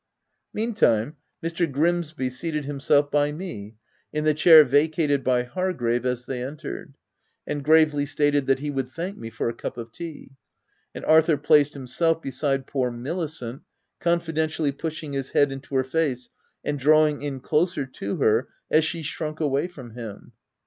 Meantime, Mr. Grimsby seated himself by me, in the chair vacated by Hargrave as they entered, and gravely stated that he would thank me for a cup of tea : and Arthur placed himself beside poor Milicent, confidentially pushing his head into her face, and drawing in closer to her as she shrunk away from him.